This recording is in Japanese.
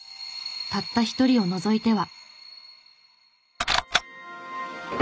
たった一人を除いては。